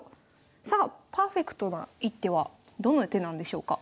さあパーフェクトな一手はどの手なんでしょうか？